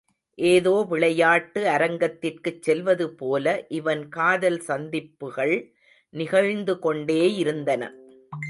ஏதோ விளையாட்டு அரங்கத்திற்குச் செல்வதுபோல இவன் காதல் சந்திப்புகள் நிகழ்ந்து கொண்டே இருந்தன.